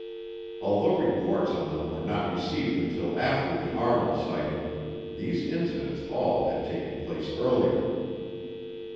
Although reports on them were not received until after the Arnold sighting, these incidents all had taken place earlier.